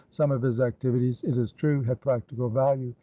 Some of his activities, it is true, had practical value.